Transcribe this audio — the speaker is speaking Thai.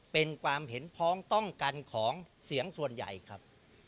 เป็นความเห็นพ้องต้องกันของเสียงส่วนใหญ่ครับ